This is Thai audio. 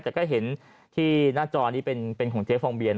แต่ก็เห็นที่หน้าจอนี้เป็นของเจ๊ฟองเบียน